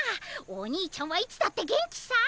おにいちゃんはいつだって元気さ